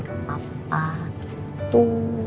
ke bapak gitu